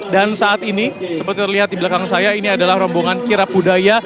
dan saat ini seperti terlihat di belakang saya ini adalah rombongan kirapudaya